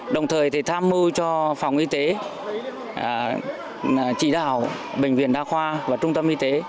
đồng thời tham mưu cho phòng y tế chỉ đạo bệnh viện đa khoa và trung tâm y tế